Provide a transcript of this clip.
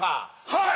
はい！